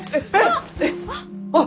あっ！